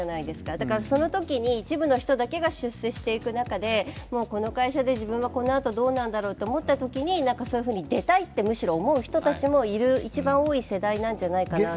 だからそのときに、一部の人だけが出世していく中で、もうこの会社で自分はこのあとどうなるんだろうと思ったときにそういうふうに出たいってむしろ思う人たちも一番いる多い世代じゃないのかなと。